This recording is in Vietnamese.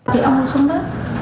thì ông ấy xuống đất